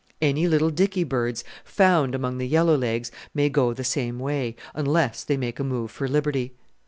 Any little dicky birds found among the Yellow legs may go the same way, unless they make a move for liberty.